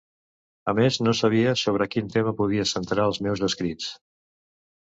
A més, no sabia sobre quin tema podia centrar els meus escrits.